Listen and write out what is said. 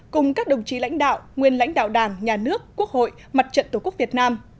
cùng các đồng chí lãnh đạo nguyên lãnh đạo đảng nhà nước quốc hội mặt trận tổ quốc việt nam